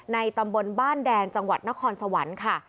ตำบลบ้านแดนจังหวัดนครสวรรค์ค่ะ